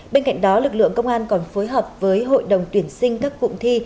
bên cạnh đó lực lượng công an còn phối hợp với hội đồng tuyển sinh các cụm thi